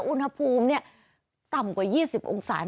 อุณหภูมิต่ำกว่า๒๐องศา